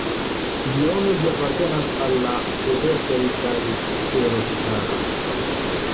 Biome ĝi apartenas al la dezertoj kaj kserofitaroj.